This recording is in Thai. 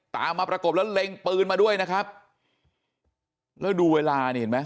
ตามมาประกบแล้วเล็งปืนมาด้วยนะครับแล้วดูเวลานี่เห็นไหม